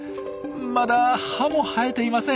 まだ歯も生えていません。